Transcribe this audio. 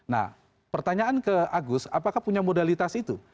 nah pertanyaan ke agus apakah punya modalitas itu